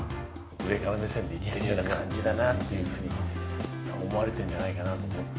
上から目線で嫌な感じだなというふうに思われてんじゃないかなと思って。